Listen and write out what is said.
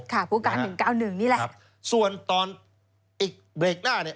ผู้การหนึ่งเก้าหนึ่งนี่แหละส่วนตอนอีกเบรกหน้าเนี่ย